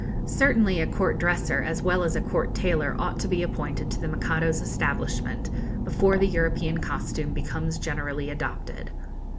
Certainly a court dresser as well as a court tailor ought to be appointed to the Mikado's establishment, before the European costume becomes generally adopted.